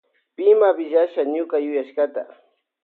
Pima willasha ñuka yuyashkata.